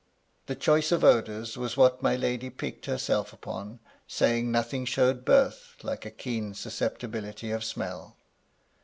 The choice of odours was what my lady piqued herself upon, saying nothing showed birth like a keen susceptibility of smell.